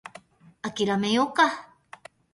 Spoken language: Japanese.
諦めようか